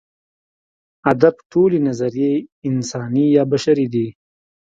ادب ټولې نظریې انساني یا بشري دي.